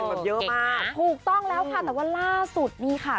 ครูกต้องแล้วค่ะแต่ว่าล่าสุดค่ะ